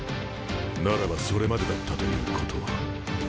ならばそれまでだったということ。